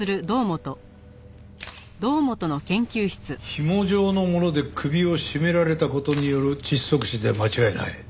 ひも状のもので首を絞められた事による窒息死で間違いない。